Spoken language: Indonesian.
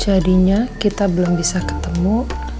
jadinya kita belum bisa ketemu